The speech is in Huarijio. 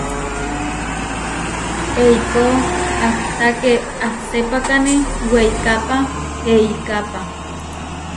Eikó ahtaké asepákane weikápa eikápa.